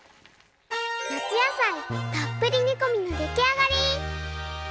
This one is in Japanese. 夏野菜たっぷり煮込みのできあがり！